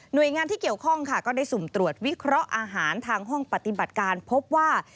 โดยงานที่เกี่ยวข้องค่ะก็ได้สุ่มตรวจวิเคราะห์อาหารทางห้องปฏิบัติการพบว่า